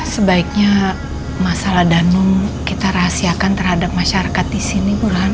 sebaiknya masalah danau kita rahasiakan terhadap masyarakat di sini